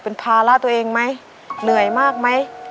เป็นภาระตัวเองไหมเหนื่อยมากไหม